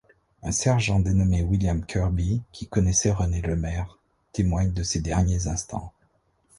Un sergent dénommé William Kerby, qui connaissait Renée Lemaire, témoigne de ses derniers instants.